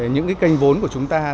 những kênh vốn của chúng ta